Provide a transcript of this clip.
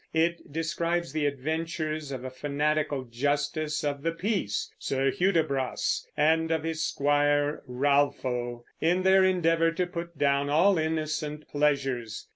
It describes the adventures of a fanatical justice of the peace, Sir Hudibras, and of his squire, Ralpho, in their endeavor to put down all innocent pleasures.